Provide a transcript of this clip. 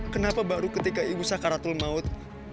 kenapa baru ketika ibu sakaratul maut